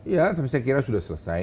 ya tapi saya kira sudah selesai